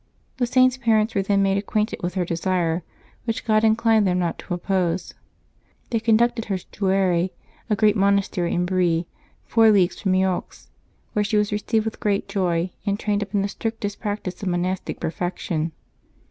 The Saint's parents were then made acquainted with her desire, which God inclined them not to oppose. They conducted her to Jouarre, a great monastery in Brie, four leagues from Meaux, where she was received with great joy and trained up in the strictest practice of monastic perfection.